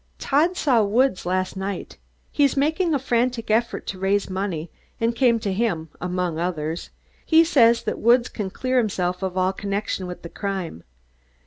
"Todd saw Woods last night. He's making a frantic effort to raise money and came to him, among others. He says that Woods can clear himself of all connection with the crime.